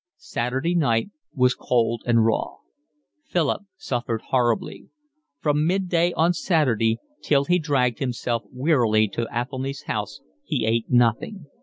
Saturday night was cold and raw. Philip suffered horribly. From midday on Saturday till he dragged himself wearily to Athelny's house he ate nothing.